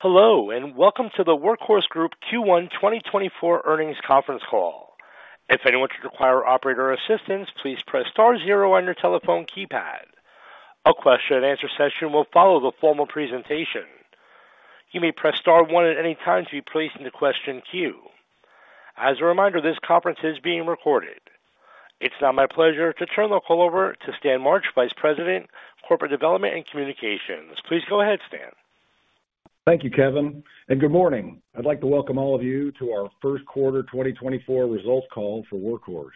Hello, and welcome to the Workhorse Group Q1 2024 earnings conference call. If anyone should require operator assistance, please press star zero on your telephone keypad. A question and answer session will follow the formal presentation. You may press star one at any time to be placed in the question queue. As a reminder, this conference is being recorded. It's now my pleasure to turn the call over to Stan March, Vice President, Corporate Development and Communications. Please go ahead, Stan. Thank you, Kevin, and good morning. I'd like to welcome all of you to our first quarter 2024 results call for Workhorse.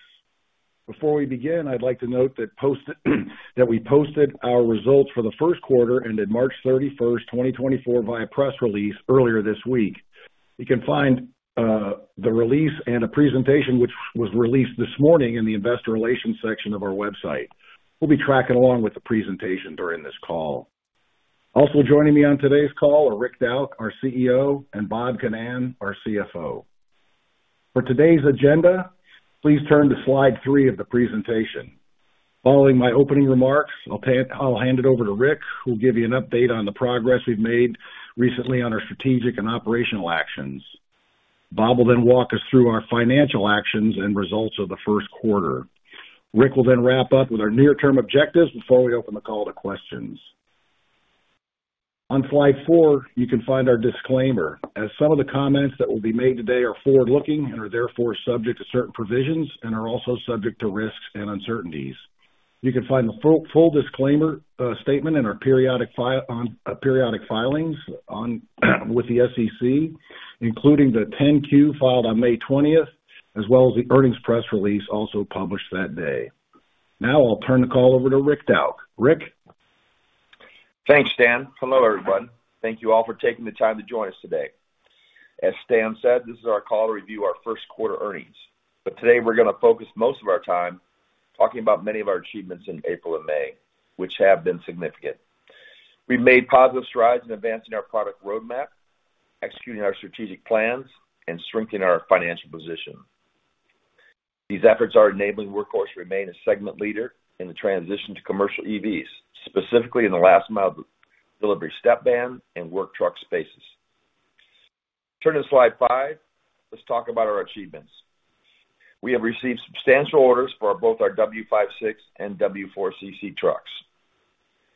Before we begin, I'd like to note that we posted our results for the first quarter, ended March 31st, 2024, via press release earlier this week. You can find the release and a presentation, which was released this morning in the investor relations section of our website. We'll be tracking along with the presentation during this call. Also joining me on today's call are Rick Dauch, our CEO, and Bob Ginnan, our CFO. For today's agenda, please turn to slide three of the presentation. Following my opening remarks, I'll hand it over to Rick, who'll give you an update on the progress we've made recently on our strategic and operational actions. Bob will then walk us through our financial actions and results of the first quarter. Rick will then wrap up with our near-term objectives before we open the call to questions. On slide, you can find our disclaimer, as some of the comments that will be made today are forward-looking and are therefore subject to certain provisions and are also subject to risks and uncertainties. You can find the full disclaimer statement in our periodic filings with the SEC, including the 10-Q filed on May twentieth, as well as the earnings press release also published that day. Now I'll turn the call over to Rick Dauch. Rick? Thanks, Stan. Hello, everyone. Thank you all for taking the time to join us today. As Stan said, this is our call to review our first quarter earnings, but today we're gonna focus most of our time talking about many of our achievements in April and May, which have been significant. We've made positive strides in advancing our product roadmap, executing our strategic plans, and strengthening our financial position. These efforts are enabling Workhorse to remain a segment leader in the transition to commercial EVs, specifically in the last mile of delivery step van and work truck spaces. Turning to slide five, let's talk about our achievements. We have received substantial orders for both our W56 and W4 CC trucks.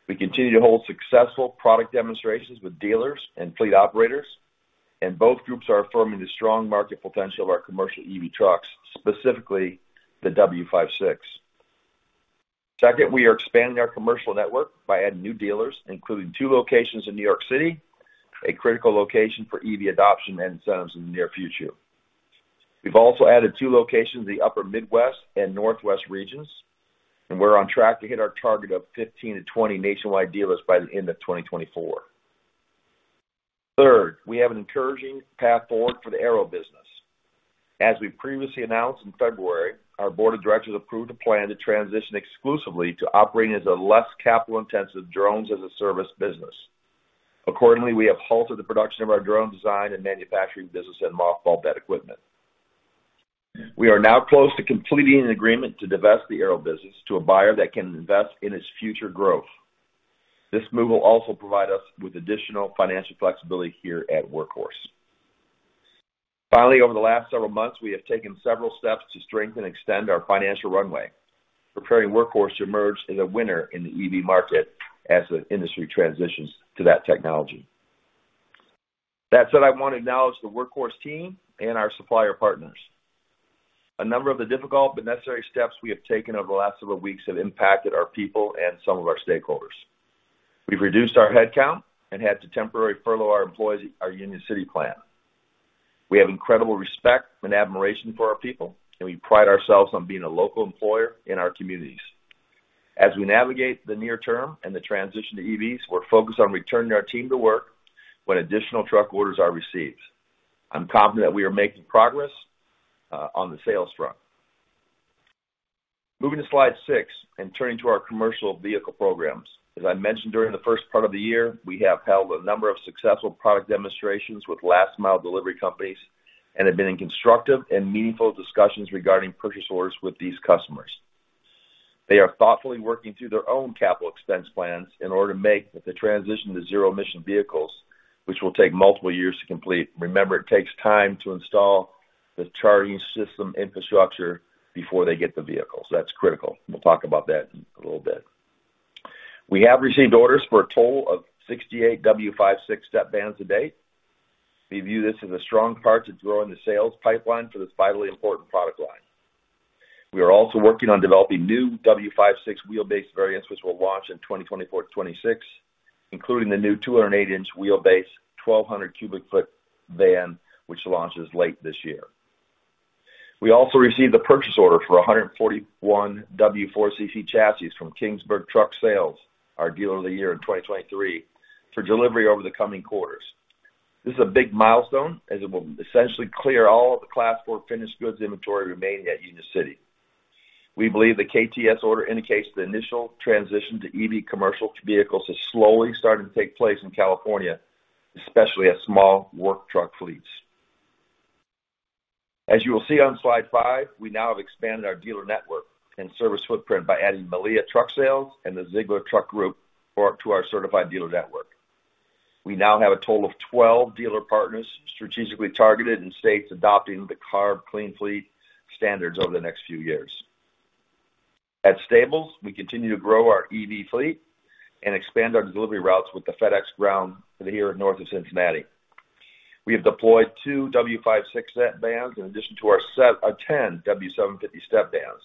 We continue to hold successful product demonstrations with dealers and fleet operators, and both groups are affirming the strong market potential of our commercial EV trucks, specifically the W56. Second, we are expanding our commercial network by adding new dealers, including two locations in New York City, a critical location for EV adoption and incentives in the near future. We've also added two locations in the Upper Midwest and Northwest regions, and we're on track to hit our target of 15-20 nationwide dealers by the end of 2024. Third, we have an encouraging path forward for the Aero business. As we previously announced in February, our board of directors approved a plan to transition exclusively to operating as a less capital-intensive drones-as-a-service business. Accordingly, we have halted the production of our drone design and manufacturing business and mothballed that equipment. We are now close to completing an agreement to divest the Aero business to a buyer that can invest in its future growth. This move will also provide us with additional financial flexibility here at Workhorse. Finally, over the last several months, we have taken several steps to strengthen and extend our financial runway, preparing Workhorse to emerge as a winner in the EV market as the industry transitions to that technology. That said, I want to acknowledge the Workhorse team and our supplier partners. A number of the difficult but necessary steps we have taken over the last several weeks have impacted our people and some of our stakeholders. We've reduced our headcount and had to temporarily furlough our employees at our Union City plant. We have incredible respect and admiration for our people, and we pride ourselves on being a local employer in our communities. As we navigate the near term and the transition to EVs, we're focused on returning our team to work when additional truck orders are received. I'm confident we are making progress on the sales front. Moving to slide six and turning to our commercial vehicle programs. As I mentioned during the first part of the year, we have held a number of successful product demonstrations with last mile delivery companies and have been in constructive and meaningful discussions regarding purchase orders with these customers. They are thoughtfully working through their own capital expense plans in order to make the transition to zero-emission vehicles, which will take multiple years to complete. Remember, it takes time to install the charging system infrastructure before they get the vehicles. That's critical. We'll talk about that in a little bit. We have received orders for a total of 68 W56 step vans to date. We view this as a strong start to growing the sales pipeline for this vitally important product line. We are also working on developing new W56 wheelbase variants, which will launch in 2024-2026, including the new 208-inch wheelbase, 1,200 cu ft van, which launches late this year. We also received a purchase order for 141 W4 CC chassis from Kingsburg Truck Sales, our dealer of the year in 2023, for delivery over the coming quarters. This is a big milestone as it will essentially clear all of the Class 4 finished goods inventory remaining at Union City. We believe the KTS order indicates the initial transition to EV commercial vehicles is slowly starting to take place in California, especially at small work truck fleets. As you will see on slide 5, we now have expanded our dealer network and service footprint by adding Milea Truck Sales and the Zeigler Truck Group to our certified dealer network. We now have a total of 12 dealer partners strategically targeted in states adopting the CARB Clean Fleet standards over the next few years. At Stables, we continue to grow our EV fleet and expand our delivery routes with the FedEx Ground here in north of Cincinnati. We have deployed two W56 step vans in addition to our set of 10 W750 step vans.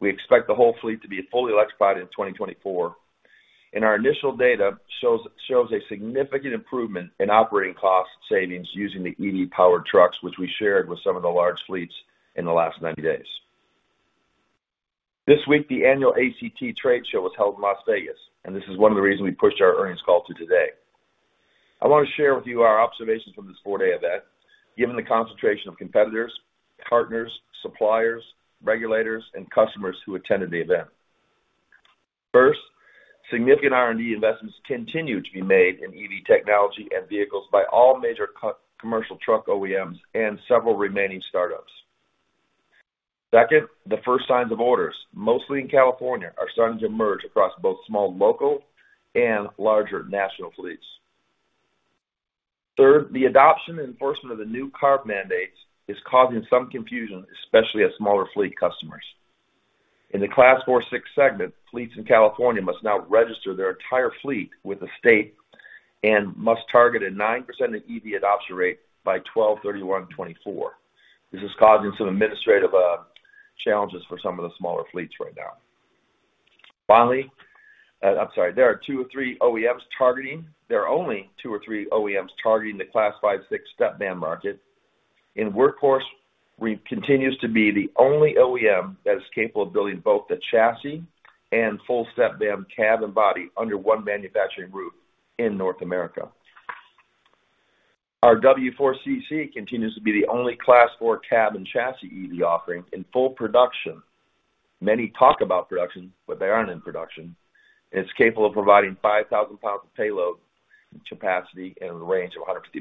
We expect the whole fleet to be fully electrified in 2024, and our initial data shows a significant improvement in operating cost savings using the EV powered trucks, which we shared with some of the large fleets in the last 90 days. This week, the annual ACT trade show was held in Las Vegas, and this is one of the reasons we pushed our earnings call to today. I want to share with you our observations from this 4-day event, given the concentration of competitors, partners, suppliers, regulators, and customers who attended the event. First, significant R&D investments continue to be made in EV technology and vehicles by all major commercial truck OEMs and several remaining startups. Second, the first signs of orders, mostly in California, are starting to emerge across both small, local and larger national fleets. Third, the adoption and enforcement of the new CARB mandates is causing some confusion, especially at smaller fleet customers. In the Class 4-6 segment, fleets in California must now register their entire fleet with the state and must target a 9% EV adoption rate by 12/31/2024. This is causing some administrative challenges for some of the smaller fleets right now. Finally, I'm sorry, there are only two or three OEMs targeting the Class 5/6 step van market, and Workhorse continues to be the only OEM that is capable of building both the chassis and full step van, cab, and body under one manufacturing roof in North America. Our W4 CC continues to be the only Class 4 cab and chassis EV offering in full production. Many talk about production, but they aren't in production, and it's capable of providing 5,000 lbs of payload capacity and a range of 150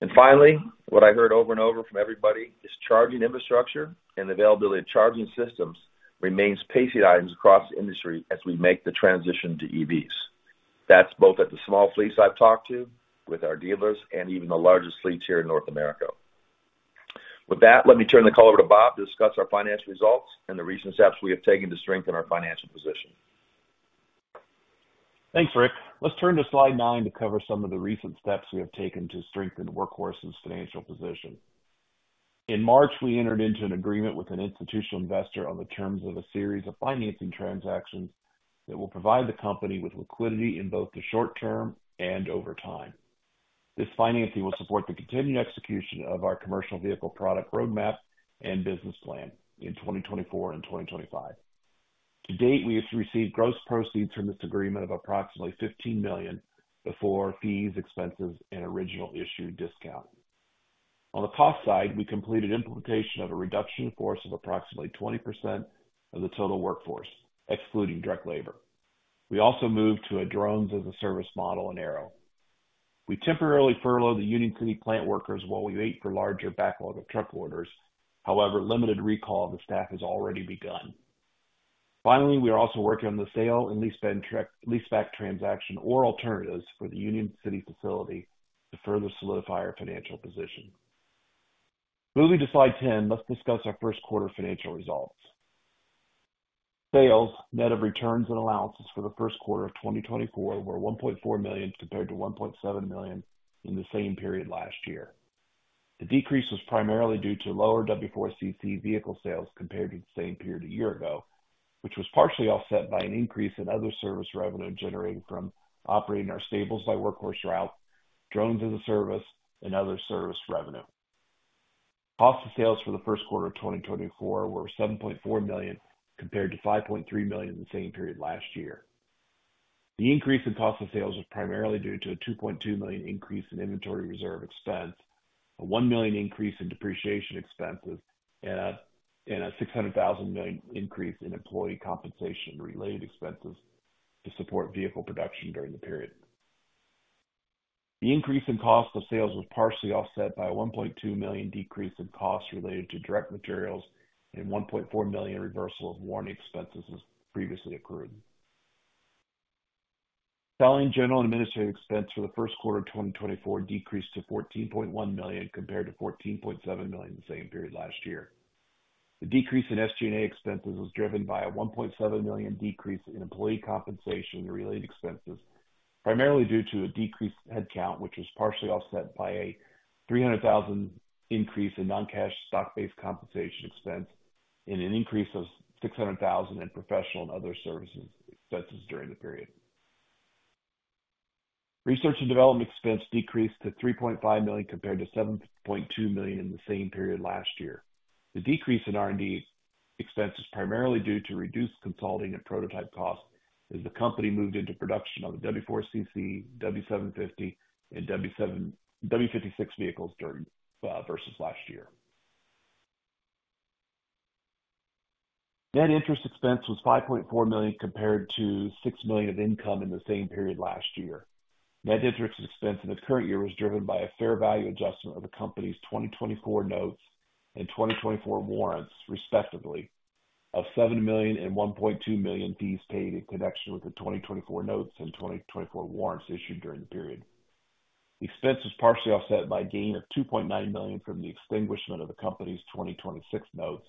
mi. Finally, what I heard over and over from everybody is charging infrastructure and availability of charging systems remains pacing items across the industry as we make the transition to EVs. That's both at the small fleets I've talked to, with our dealers, and even the largest fleets here in North America. With that, let me turn the call over to Bob to discuss our financial results and the recent steps we have taken to strengthen our financial position. Thanks, Rick. Let's turn to slide nine to cover some of the recent steps we have taken to strengthen Workhorse's financial position. In March, we entered into an agreement with an institutional investor on the terms of a series of financing transactions that will provide the company with liquidity in both the short term and over time. This financing will support the continued execution of our commercial vehicle product roadmap and business plan in 2024 and 2025. To date, we have received gross proceeds from this agreement of approximately $15 million before fees, expenses, and original issue discount. On the cost side, we completed implementation of a reduction in force of approximately 20% of the total workforce, excluding direct labor. We also moved to a drones-as-a-service model in Aero. We temporarily furloughed the Union City plant workers while we wait for larger backlog of truck orders. However, limited recall of the staff has already begun. Finally, we are also working on the sale-leaseback transaction or alternatives for the Union City facility to further solidify our financial position. Moving to slide 10, let's discuss our first quarter financial results. Sales, net of returns and allowances for the first quarter of 2024 were $1.4 million, compared to $1.7 million in the same period last year. The decrease was primarily due to lower W4 CC vehicle sales compared to the same period a year ago, which was partially offset by an increase in other service revenue generated from operating our Stables by Workhorse routes, drones as a service, and other service revenue. Cost of sales for the first quarter of 2024 was $7.4 million, compared to $5.3 million in the same period last year. The increase in cost of sales was primarily due to a $2.2 million increase in inventory reserve expense, a $1 million increase in depreciation expenses, and a $600,000 increase in employee compensation-related expenses to support vehicle production during the period. The increase in cost of sales was partially offset by a $1.2 million decrease in costs related to direct materials and $1.4 million reversal of warranty expenses as previously accrued. Selling, general, and administrative expense for the first quarter of 2024 decreased to $14.1 million, compared to $14.7 million in the same period last year. The decrease in SG&A expenses was driven by a $1.7 million decrease in employee compensation and related expenses, primarily due to a decreased headcount, which was partially offset by a $300,000 increase in non-cash stock-based compensation expense and an increase of $600,000 in professional and other services expenses during the period. Research and development expense decreased to $3.5 million, compared to $7.2 million in the same period last year. The decrease in R&D expenses, primarily due to reduced consulting and prototype costs as the company moved into production on the W4 CC, W750, and W56 vehicles during versus last year. Net interest expense was $5.4 million compared to $6 million of income in the same period last year. Net interest expense in the current year was driven by a fair value adjustment of the company's 2024 notes and 2024 warrants, respectively, of $7 million and $1.2 million fees paid in connection with the 2024 notes and 2024 warrants issued during the period. Expense was partially offset by a gain of $2.9 million from the extinguishment of the company's 2026 notes,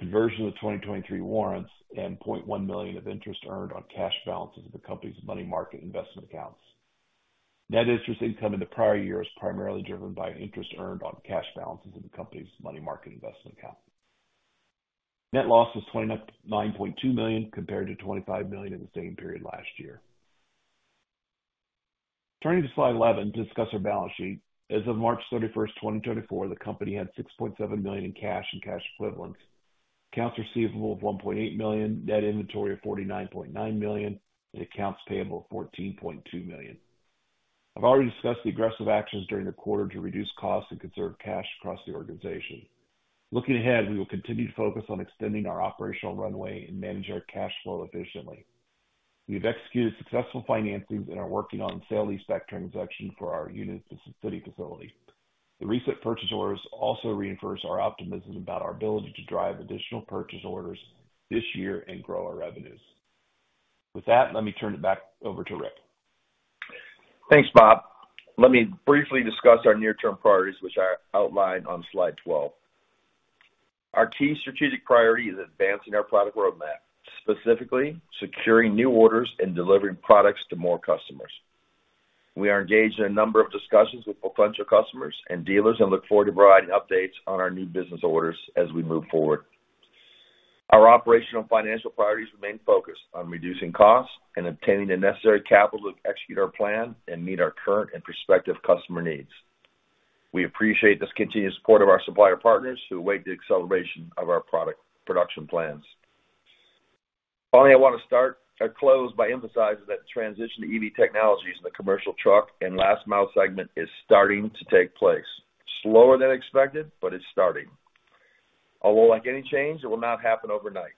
conversion of the 2023 warrants, and $0.1 million of interest earned on cash balances of the company's money market investment accounts. Net interest income in the prior year is primarily driven by interest earned on cash balances in the company's money market investment account. Net loss was $29.2 million, compared to $25 million in the same period last year. Turning to slide 11 to discuss our balance sheet. As of March 31, 2024, the company had $6.7 million in cash and cash equivalents, accounts receivable of $1.8 million, net inventory of $49.9 million, and accounts payable of $14.2 million. I've already discussed the aggressive actions during the quarter to reduce costs and conserve cash across the organization. Looking ahead, we will continue to focus on extending our operational runway and manage our cash flow efficiently. We have executed successful financings and are working on a sale leaseback transaction for our Union City facility. The recent purchase orders also reinforce our optimism about our ability to drive additional purchase orders this year and grow our revenues. With that, let me turn it back over to Rick. Thanks, Bob. Let me briefly discuss our near-term priorities, which I outlined on slide 12. Our key strategic priority is advancing our product roadmap, specifically securing new orders and delivering products to more customers. We are engaged in a number of discussions with potential customers and dealers, and look forward to providing updates on our new business orders as we move forward. Our operational and financial priorities remain focused on reducing costs and obtaining the necessary capital to execute our plan and meet our current and prospective customer needs. We appreciate this continuous support of our supplier partners who await the acceleration of our product production plans. Finally, I want to start or close by emphasizing that the transition to EV technologies in the commercial truck and last mile segment is starting to take place. Slower than expected, but it's starting. Although, like any change, it will not happen overnight.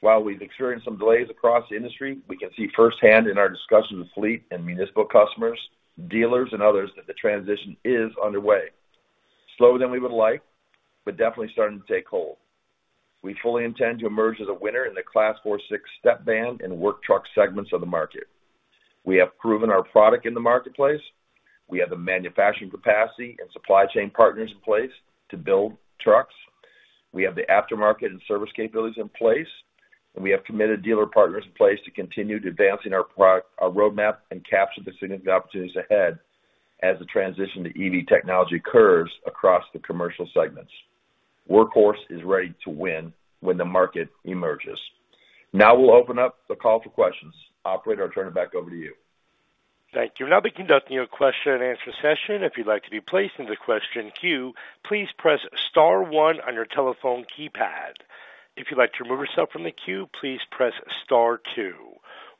While we've experienced some delays across the industry, we can see firsthand in our discussions with fleet and municipal customers, dealers, and others, that the transition is underway. Slower than we would like, but definitely starting to take hold. We fully intend to emerge as a winner in the Class 4-6 step van and work truck segments of the market. We have proven our product in the marketplace. We have the manufacturing capacity and supply chain partners in place to build trucks. We have the aftermarket and service capabilities in place, and we have committed dealer partners in place to continue advancing our roadmap and capture the significant opportunities ahead as the transition to EV technology occurs across the commercial segments. Workhorse is ready to win when the market emerges. Now we'll open up the call for questions. Operator, I'll turn it back over to you. Thank you. We'll now be conducting a question and answer session. If you'd like to be placed in the question queue, please press star one on your telephone keypad. If you'd like to remove yourself from the queue, please press star two.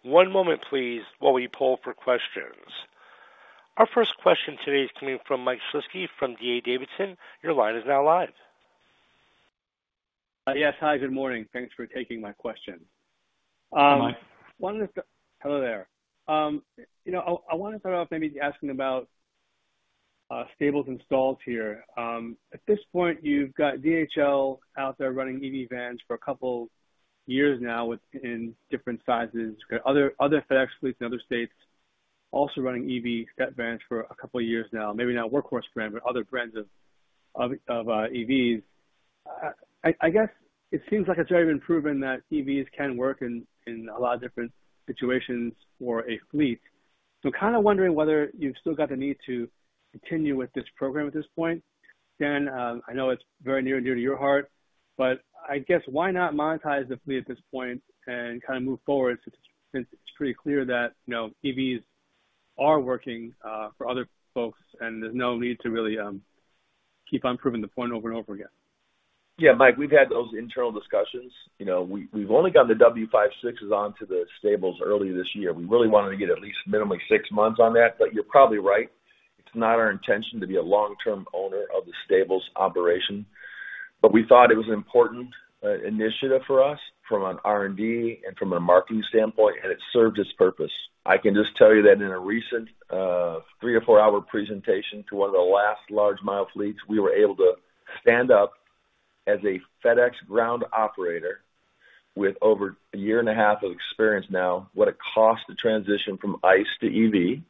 One moment, please, while we poll for questions. Our first question today is coming from Mike Shlisky from D.A. Davidson. Your line is now live. Yes, hi, good morning. Thanks for taking my question. Hi. Hello there. You know, I want to start off maybe asking about Stables installs here. At this point, you've got DHL out there running EV vans for a couple years now within different sizes. Other FedEx fleets in other states also running EV vans for a couple of years now, maybe not Workhorse brand, but other brands of EVs. I guess it seems like it's already been proven that EVs can work in a lot of different situations for a fleet. So I'm kind of wondering whether you've still got the need to continue with this program at this point. Dan, I know it's very near and dear to your heart, but I guess, why not monetize the fleet at this point and kind of move forward, since it's pretty clear that, you know, EVs are working, for other folks, and there's no need to really, keep on proving the point over and over again? Yeah, Mike, we've had those internal discussions. You know, we, we've only gotten the W56s onto the stables early this year. We really wanted to get at least minimally six months on that, but you're probably right. It's not our intention to be a long-term owner of the stables operation, but we thought it was an important initiative for us from an R&D and from a marketing standpoint, and it served its purpose. I can just tell you that in a recent, 3- or 4-hour presentation to one of the largest last-mile fleets, we were able to stand up as a FedEx Ground operator with over a year and a half of experience now, what it costs to transition from ICE to EV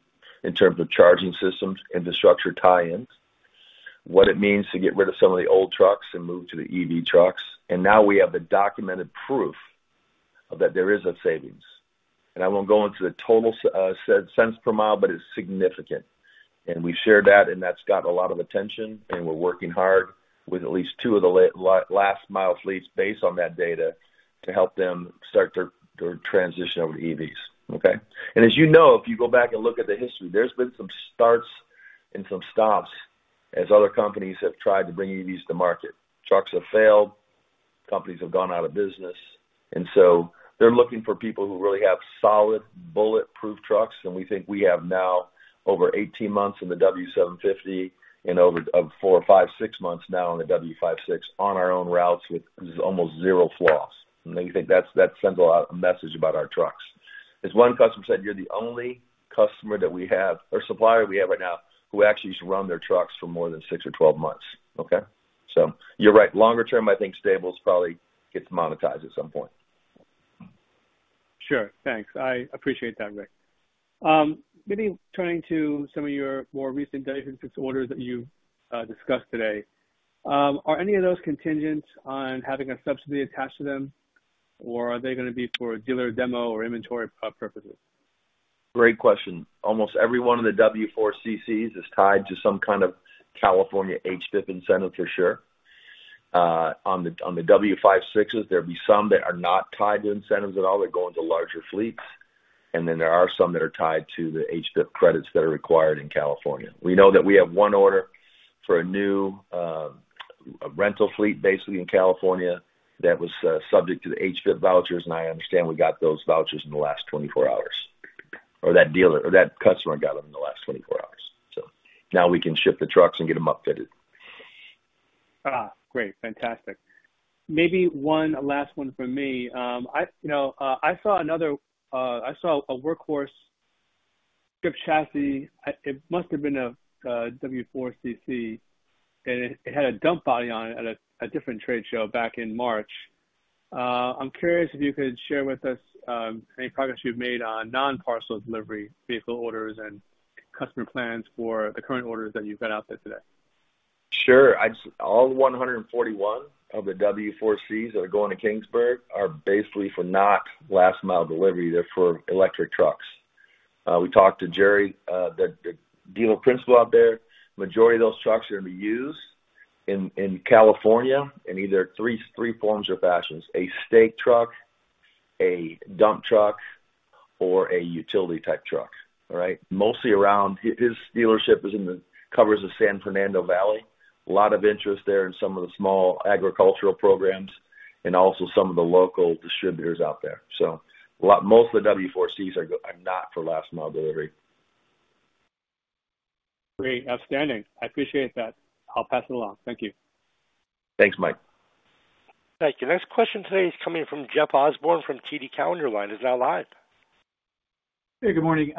in terms of charging systems, infrastructure tie-ins, what it means to get rid of some of the old trucks and move to the EV trucks. And now we have the documented proof of that there is a savings, and I won't go into the total, cents per mile, but it's significant. And we've shared that, and that's gotten a lot of attention, and we're working hard with at least two of the last-mile fleets based on that data to help them start their, their transition over to EVs. Okay? And as you know, if you go back and look at the history, there's been some starts and some stops as other companies have tried to bring EVs to market. Trucks have failed, companies have gone out of business.... And so they're looking for people who really have solid, bulletproof trucks, and we think we have now over 18 months in the W750 and over four, five, six months now on the W56 on our own routes with almost zero flaws. And then you think that sends a lot, a message about our trucks. As one customer said, "You're the only customer that we have, or supplier we have right now, who actually just run their trucks for more than six or 12 months." Okay? So you're right. Longer term, I think Stables probably gets monetized at some point. Sure. Thanks. I appreciate that, Rick. Maybe turning to some of your more recent defense orders that you discussed today. Are any of those contingent on having a subsidy attached to them, or are they going to be for dealer demo or inventory purposes? Great question. Almost every one of the W4 CCs is tied to some kind of California HVIP incentive, for sure. On the W56s, there'll be some that are not tied to incentives at all. They're going to larger fleets, and then there are some that are tied to the HVIP credits that are required in California. We know that we have one order for a new rental fleet, basically, in California, that was subject to the HVIP vouchers, and I understand we got those vouchers in the last 24 hours, or that dealer, or that customer got them in the last 24 hours. So now we can ship the trucks and get them upfitted. Ah, great. Fantastic. Maybe one last one from me. You know, I saw another Workhorse strip chassis. It must have been a W4 CC, and it had a dump body on it at a different trade show back in March. I'm curious if you could share with us any progress you've made on non-parcel delivery vehicle orders, and customer plans for the current orders that you've got out there today. Sure. All 141 of the W4 CCs that are going to Kingsburg are basically for not last mile delivery. They're for electric trucks. We talked to Jerry, the dealer principal out there. Majority of those trucks are going to be used in California, in either three forms or fashions: a stake truck, a dump truck, or a utility-type truck. All right? Mostly around his dealership is in the corners of San Fernando Valley. A lot of interest there in some of the small agricultural programs and also some of the local distributors out there. So most of the W4 CCs are not for last mile delivery. Great. Outstanding. I appreciate that. I'll pass it along. Thank you. Thanks, Mike. Thank you. Next question today is coming from Jeff Osborne from TD Cowen. Line is now live. Hey, good morning.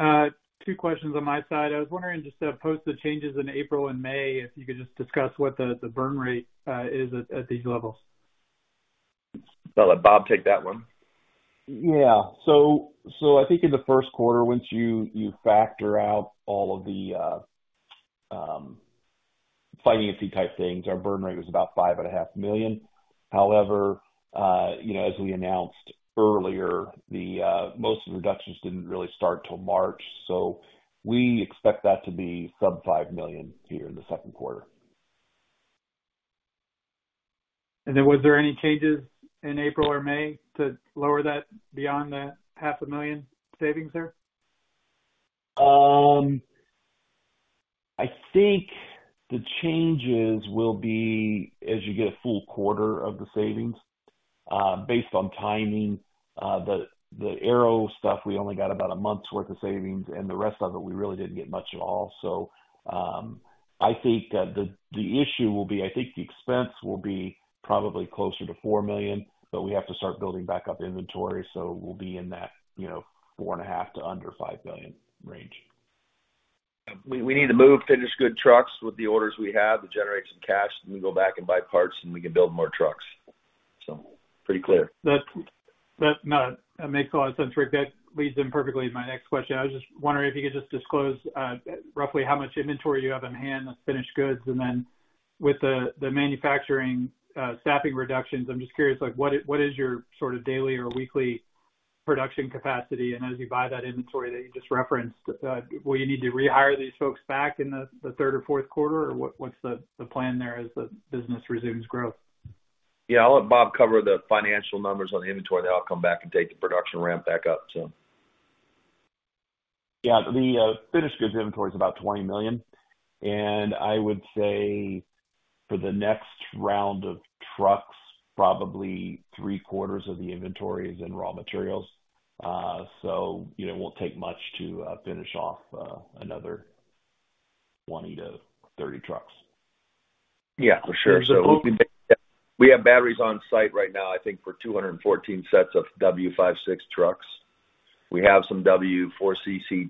Two questions on my side. I was wondering, just, post the changes in April and May, if you could just discuss what the, the burn rate, is at, at these levels? I'll let Bob take that one. Yeah. So, so I think in the first quarter, once you, you factor out all of the, financing-type things, our burn rate was about $5.5 million. However, you know, as we announced earlier, the, most of the reductions didn't really start till March, so we expect that to be sub $5 million here in the second quarter. Then was there any changes in April or May to lower that beyond that $500,000 savings there? I think the changes will be as you get a full quarter of the savings, based on timing. The Aero stuff, we only got about a month's worth of savings, and the rest of it, we really didn't get much at all. I think that the issue will be, I think the expense will be probably closer to $4 million, but we have to start building back up inventory, so we'll be in that, you know, $4.5 million to under $5 million range. We need to move finished goods trucks with the orders we have to generate some cash, and then go back and buy parts, and we can build more trucks. So pretty clear. That makes a lot of sense, Rick. That leads in perfectly to my next question. I was just wondering if you could just disclose roughly how much inventory you have on hand of finished goods. And then with the manufacturing staffing reductions, I'm just curious, like, what is your sort of daily or weekly production capacity? And as you buy that inventory that you just referenced, will you need to rehire these folks back in the third or fourth quarter? Or what's the plan there as the business resumes growth? Yeah, I'll let Bob cover the financial numbers on the inventory, then I'll come back and take the production ramp back up so. Yeah, the finished goods inventory is about $20 million, and I would say for the next round of trucks, probably three-quarters of the inventory is in raw materials. So you know, it won't take much to finish off another 20-30 trucks. Yeah, for sure. So we have batteries on site right now, I think for 214 sets of W56 trucks. We have some W4 CC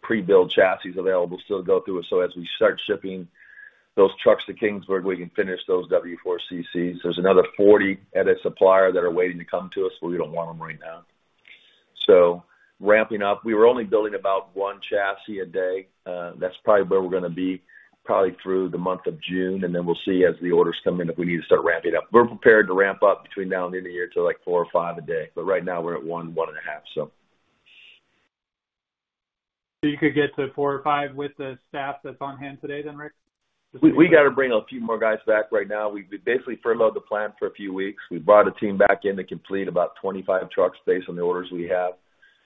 pre-built chassis available, still to go through. So as we start shipping those trucks to Kingsburg, we can finish those W4 CCs. There's another 40 at a supplier that are waiting to come to us, but we don't want them right now. So ramping up, we were only building about 1 chassis a day. That's probably where we're going to be, probably through the month of June, and then we'll see as the orders come in, if we need to start ramping up. We're prepared to ramp up between now and the end of the year to, like, four or five a day, but right now we're at one, one and a half, so. You could get to four or five with the staff that's on hand today then, Rick? We got to bring a few more guys back right now. We basically furloughed the plant for a few weeks. We brought a team back in to complete about 25 trucks based on the orders we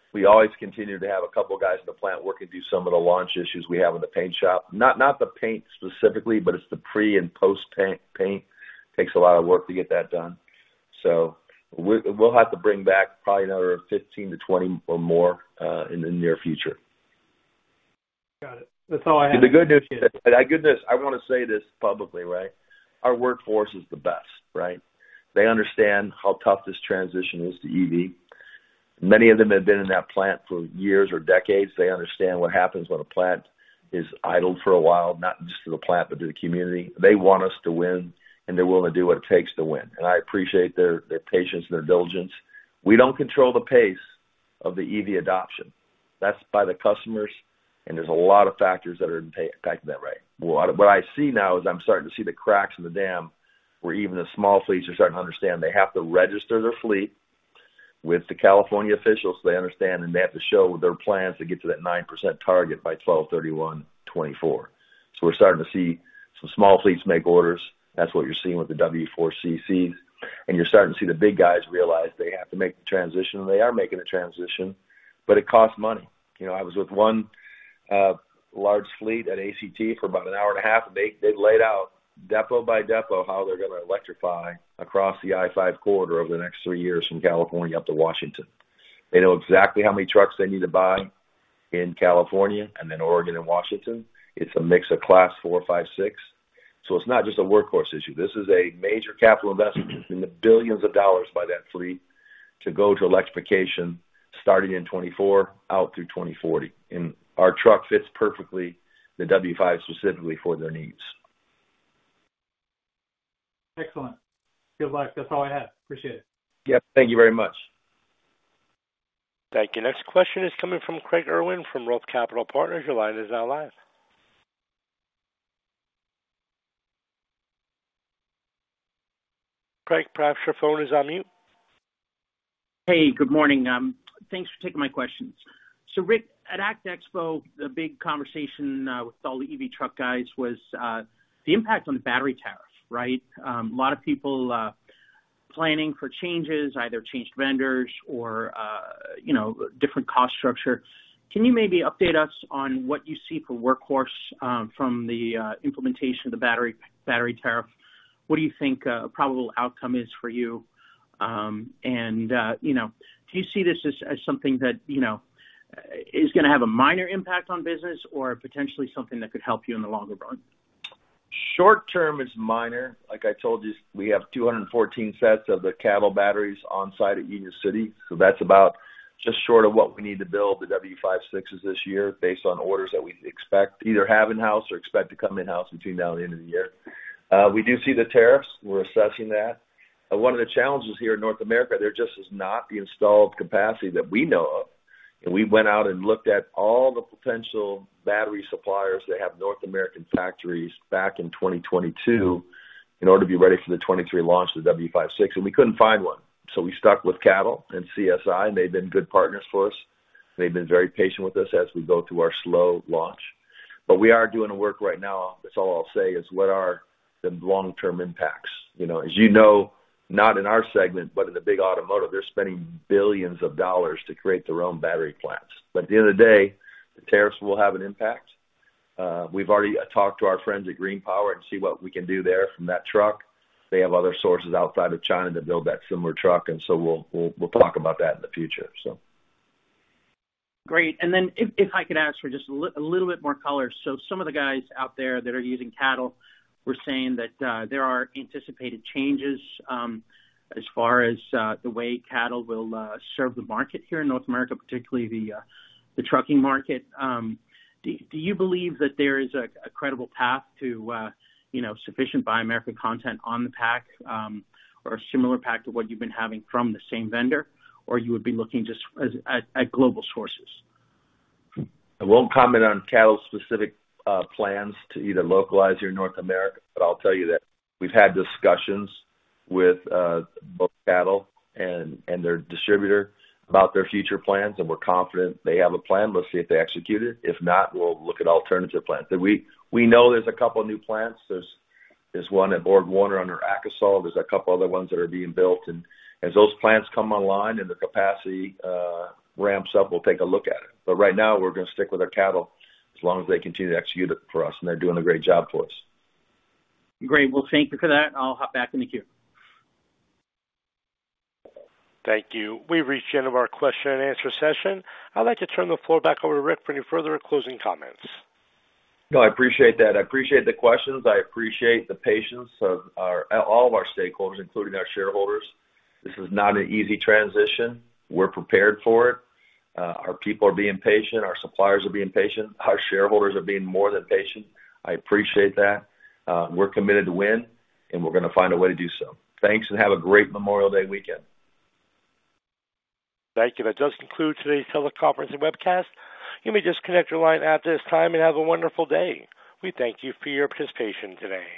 have. We always continue to have a couple of guys in the plant working through some of the launch issues we have in the paint shop. Not the paint specifically, but it's the pre and post paint, paint. Takes a lot of work to get that done. So we'll have to bring back probably another 15-20 or more in the near future. Got it. That's all I had. The good news, and my goodness, I wanna say this publicly, right? Our workforce is the best, right? They understand how tough this transition is to EV. Many of them have been in that plant for years or decades. They understand what happens when a plant is idled for a while, not just to the plant, but to the community. They want us to win, and they're willing to do what it takes to win. And I appreciate their patience and their diligence. We don't control the pace of the EV adoption. That's by the customers, and there's a lot of factors that are impacting that, right? What I, what I see now is I'm starting to see the cracks in the dam, where even the small fleets are starting to understand they have to register their fleet with the California officials, so they understand, and they have to show their plans to get to that 9% target by 12/31/2024. So we're starting to see some small fleets make orders. That's what you're seeing with the W4 CCs, and you're starting to see the big guys realize they have to make the transition, and they are making the transition, but it costs money. You know, I was with one, large fleet at ACT for about an hour and a half. They, they laid out depot by depot, how they're gonna electrify across the I-5 corridor over the next three years from California up to Washington. They know exactly how many trucks they need to buy in California and then Oregon and Washington. It's a mix of Class 4, 5, 6. So it's not just a Workhorse issue. This is a major capital investment in the $ billions by that fleet to go to electrification, starting in 2024, out through 2040. And our truck fits perfectly, the W56 specifically, for their needs. Excellent. Good luck. That's all I have. Appreciate it. Yep, thank you very much. Thank you. Next question is coming from Craig Irwin from Roth Capital Partners. Your line is now live. Craig, perhaps your phone is on mute? Hey, good morning. Thanks for taking my questions. So, Rick, at ACT Expo, the big conversation with all the EV truck guys was the impact on the battery tariff, right? A lot of people planning for changes, either changed vendors or, you know, different cost structure. Can you maybe update us on what you see for Workhorse from the implementation of the battery, battery tariff? What do you think a probable outcome is for you? And, you know, do you see this as something that, you know, is gonna have a minor impact on business or potentially something that could help you in the longer run? Short term, it's minor. Like I told you, we have 214 sets of the CATL batteries on site at Union City, so that's about just short of what we need to build the W56s this year based on orders that we expect, either have in-house or expect to come in-house between now and the end of the year. We do see the tariffs. We're assessing that. One of the challenges here in North America, there just is not the installed capacity that we know of, and we went out and looked at all the potential battery suppliers that have North American factories back in 2022 in order to be ready for the 2023 launch of the W56, and we couldn't find one. So we stuck with CATL and CSI, and they've been good partners for us. They've been very patient with us as we go through our slow launch. But we are doing the work right now. That's all I'll say, is what are the long-term impacts? You know, as you know, not in our segment, but in the big automotive, they're spending billions of dollars to create their own battery plants. But at the end of the day, the tariffs will have an impact. We've already talked to our friends at GreenPower to see what we can do there from that truck. They have other sources outside of China to build that similar truck, and so we'll talk about that in the future, so. Great. And then if I could ask for just a little bit more color. So some of the guys out there that are using CATL were saying that there are anticipated changes as far as the way CATL will serve the market here in North America, particularly the trucking market. Do you believe that there is a credible path to, you know, sufficient domestic content on the pack or a similar pack to what you've been having from the same vendor, or you would be looking just at global sources? I won't comment on CATL's specific plans to either localize here in North America, but I'll tell you that we've had discussions with both CATL and their distributor about their future plans, and we're confident they have a plan. Let's see if they execute it. If not, we'll look at alternative plans. And we know there's a couple new plants. There's one at BorgWarner under AKASOL. There's a couple other ones that are being built, and as those plants come online and the capacity ramps up, we'll take a look at it. But right now, we're gonna stick with our CATL as long as they continue to execute it for us, and they're doing a great job for us. Great. Well, thank you for that, and I'll hop back in the queue. Thank you. We've reached the end of our question and answer session. I'd like to turn the floor back over to Rick for any further closing comments. No, I appreciate that. I appreciate the questions. I appreciate the patience of our, all of our stakeholders, including our shareholders. This is not an easy transition. We're prepared for it. Our people are being patient, our suppliers are being patient, our shareholders are being more than patient. I appreciate that. We're committed to win, and we're gonna find a way to do so. Thanks, and have a great Memorial Day weekend. Thank you. That does conclude today's teleconference and webcast. You may disconnect your line at this time, and have a wonderful day. We thank you for your participation today.